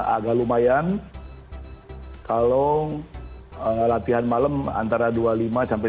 agak lumayan kalau latihan malam antara dua puluh lima sampai tiga puluh dua